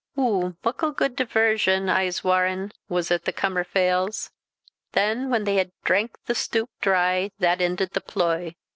Oo! muckle gude diversion, I'se warran,' was at the cummerfealls. Than whan they had drank the stoup dry, that ended the ploy.